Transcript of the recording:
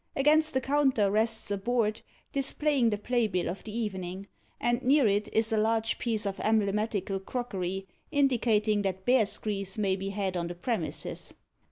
Against the counter rests a board, displaying the playbill of the evening; and near it is a large piece of emblematical crockery, indicating that bears' grease may be had on the premises.